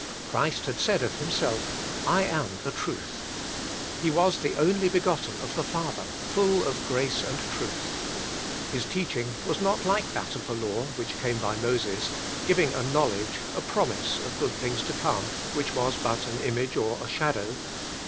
Christ had said of Himself, " I am the truth.'' He was the only begotten of the Father, full of grace and truth. His teaching was not like that of the law which came by Moses, giving a knowledge, a promise of good things to come which was but an image or a shadow.